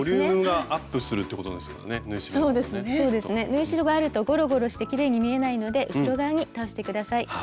縫い代があるとゴロゴロしてきれいに見えないので後ろ側に倒して下さい。